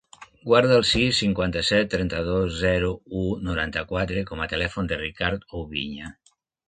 Guarda el sis, cinquanta-set, trenta-dos, zero, u, noranta-quatre com a telèfon del Ricard Oubiña.